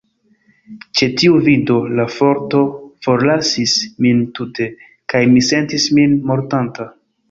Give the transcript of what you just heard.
Ĉe tiu vido, la forto forlasis min tute, kaj mi sentis min mortanta.